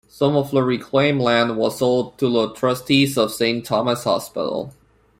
Some of the reclaimed land was sold to the trustees of Saint Thomas' Hospital.